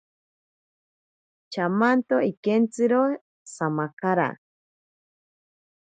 Chamanto ikentziro samakara.